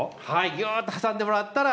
ぎゅっと挟んでもらったら。